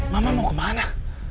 mama mau kemana